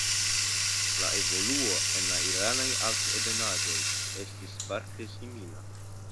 La evoluo en la iranaj altebenaĵoj estis parte simila.